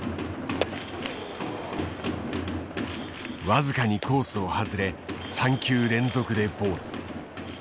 僅かにコースを外れ３球連続でボール。